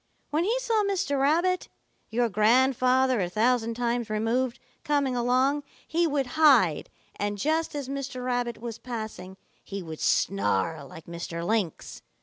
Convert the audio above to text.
When he saw Mr. Rabbit, your grandfather a thousand times removed, coming along, he would hide, and just as Mr. Rabbit was passing, he would snarl like Mr. Lynx.